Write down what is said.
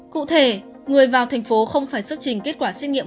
cụ thể người vào thành phố không phải xuất trình kết quả xét nghiệm